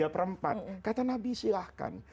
per empat kata nabi silahkan